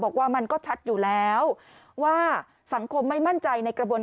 บอกว่ามันก็ชัดอยู่แล้วว่าสังคมไม่มั่นใจในกระบวน